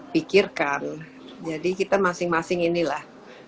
pikirkan jadi kita masing masing inilah